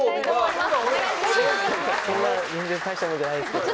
そんな全然大したもんじゃないですけど。